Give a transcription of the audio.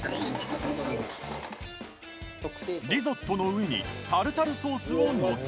リゾットの上にタルタルソースをのせ